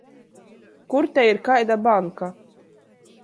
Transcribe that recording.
Kur te ir kaida banka?